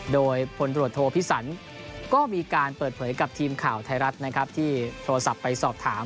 โดยพลตรวจโทพิสันก็มีการเปิดเผยกับทีมข่าวไทยรัฐนะครับที่โทรศัพท์ไปสอบถาม